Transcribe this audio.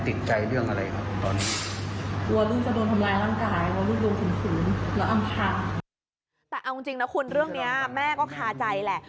แต่เอาจริงนะคุณเรื่องนี้แม่ก็คาใจแหละ